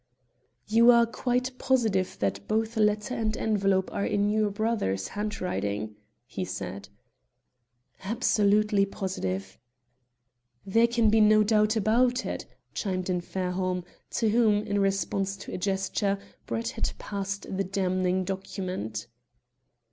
"You are quite positive that both letter and envelope are in your brother's handwriting?" he said. "Absolutely positive." "There can be no doubt about it," chimed in Fairholme, to whom, in response to a gesture, Brett had passed the damning document.